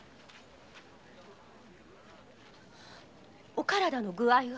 お体の具合が？